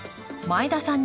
前田さん